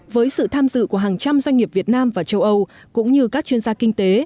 với sự tham dự của hàng trăm doanh nghiệp việt nam và châu âu cũng như các chuyên gia kinh tế